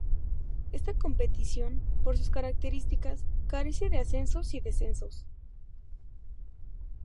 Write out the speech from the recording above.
Esta competición, por sus características, carece de ascensos y descensos.